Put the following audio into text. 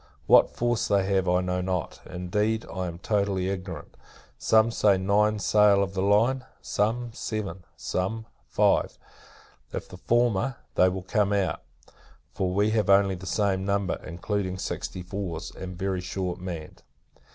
What force they have, I know not; indeed, I am totally ignorant: some say, nine sail of the line; some, seven; some, five. If the former, they will come out; for we have only the same number, including sixty fours, and very shortly manned.